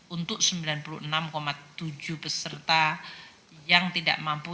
untuk sembilan puluh enam tujuh peserta yang tidak mampu